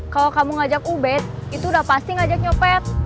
kalau kamu ngajak ubed itu udah pasti ngajak nyopet